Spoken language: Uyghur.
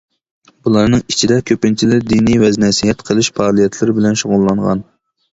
بۇلارنىڭ ئىچىدە كۆپىنچىلىرى دىنىي ۋەز-نەسىھەت قىلىش پائالىيەتلىرى بىلەن شۇغۇللانغان.